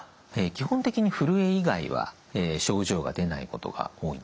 基本的にふるえ以外は症状が出ないことが多いんですね。